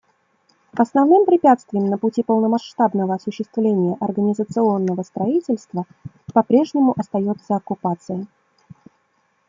Основным препятствием на пути полномасштабного осуществления организационного строительства по-прежнему остается оккупация.